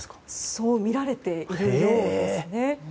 そうみられているようです。